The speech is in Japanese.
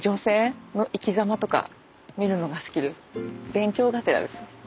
勉強がてらです。